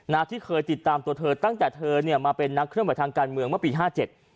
นะที่เคยติดตามตัวเธอตั้งแต่เธอเนี่ยมาเป็นนักเคลื่อนไหวทางการเมืองเมื่อปีห้าเจ็ด